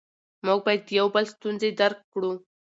موږ باید د یو بل ستونزې درک کړو